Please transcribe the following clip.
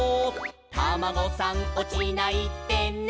「タマゴさんおちないでね」